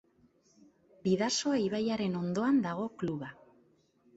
Bidasoa ibaiaren ondoan dago kluba.